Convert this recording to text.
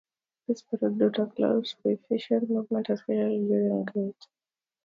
This paradox allows for efficient movement, especially during gait.